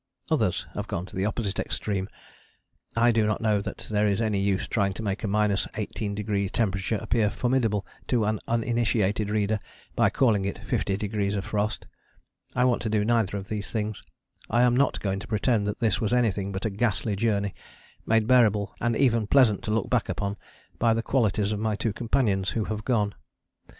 Others have gone to the opposite extreme. I do not know that there is any use in trying to make a 18° temperature appear formidable to an uninitiated reader by calling it fifty degrees of frost. I want to do neither of these things. I am not going to pretend that this was anything but a ghastly journey, made bearable and even pleasant to look back upon by the qualities of my two companions who have gone.